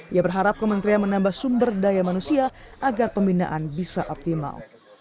ia berharap kementerian menambah sumber daya manusia agar pembinaan bisa optimal